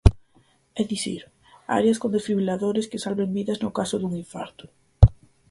É dicir, áreas con desfibriladores que salven vidas no caso dun infarto.